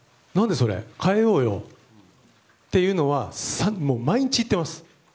変えようよっていうのは毎日言っています。